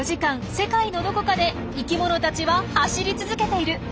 世界のどこかで生きものたちは走り続けている。